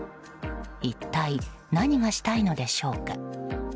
一体何がしたいのでしょうか。